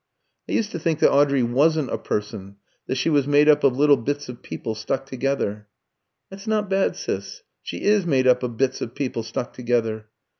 "I used to think that Audrey wasn't a person that she was made up of little bits of people stuck together." "That's not bad, Sis. She is made up of bits of people stuck together."